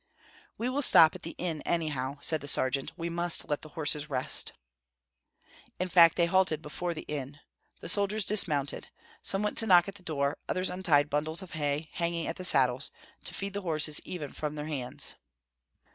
"We will stop at the inn anyhow," said the sergeant. "We must let the horses rest." In fact they halted before the inn. The soldiers dismounted. Some went to knock at the door; others untied bundles of hay, hanging at the saddles, to feed the horses even from their hands.